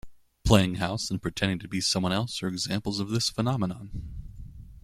Playing house and pretending to be someone else are examples of this phenomenon.